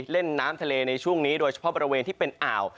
เล่นน้ำทะเลในช่วงนี้โดยเฉพาะบริเวณที่เป็นอ่าว